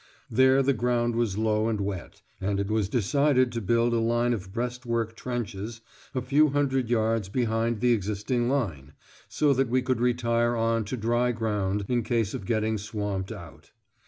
There the ground was low and wet, and it was decided to build a line of breastwork trenches a few hundred yards behind the existing line, so that we could retire on to dry ground in case of getting swamped out.